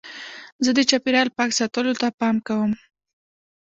زه د چاپېریال پاک ساتلو ته پام کوم.